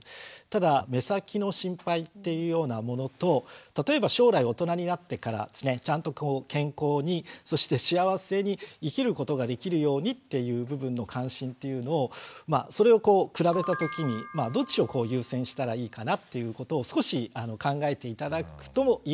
ただ目先の心配っていうようなものと例えば将来大人になってからちゃんと健康にそして幸せに生きることができるようにっていう部分の関心っていうのをそれをこう比べたときにどっちを優先したらいいかなっていうことを少し考えて頂くといいのかなっていう気がします。